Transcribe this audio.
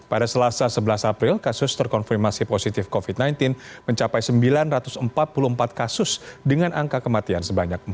pada selasa sebelas april kasus terkonfirmasi positif covid sembilan belas mencapai sembilan ratus empat puluh empat kasus dengan angka kematian sebanyak empat puluh